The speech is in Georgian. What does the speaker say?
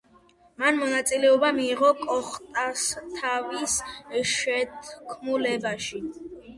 მან მონაწილეობა მიიღო კოხტასთავის შეთქმულებაში.